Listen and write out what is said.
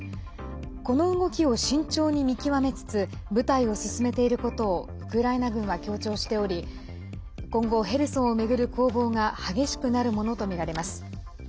この動きを慎重に見極めつつ部隊を進めていることをウクライナ軍は強調しており今後、ヘルソンを巡る攻防が激しくなるものとみられます。